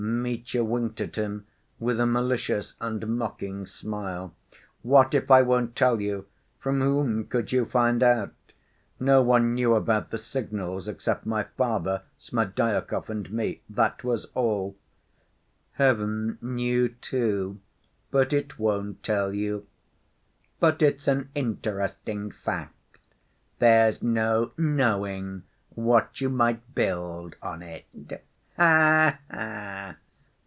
Mitya winked at him with a malicious and mocking smile. "What if I won't tell you? From whom could you find out? No one knew about the signals except my father, Smerdyakov, and me: that was all. Heaven knew, too, but it won't tell you. But it's an interesting fact. There's no knowing what you might build on it. Ha ha!